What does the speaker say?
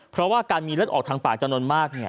เพราะว่าการมีรถออกทางปาก